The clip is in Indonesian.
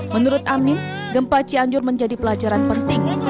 menurut amin gempa cianjur menjadi pelajaran penting